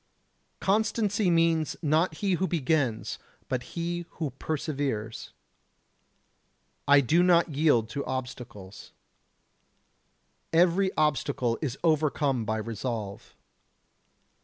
Constancy means, not he who begins, but he who perseveres. I do not yield to obstacles. Every obstacle is overcome by resolve.